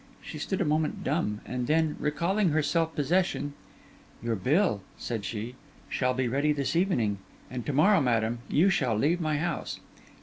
She stood a moment dumb, and then, recalling her self possession, 'Your bill,' said she, 'shall be ready this evening, and to morrow, madam, you shall leave my house.